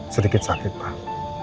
sedikit sakit pak